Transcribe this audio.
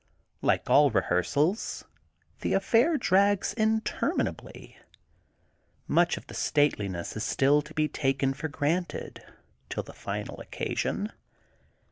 Like all rehearsals, the affair drags interminably; much of the stateliness is still to be taken for granted, till the final occasion.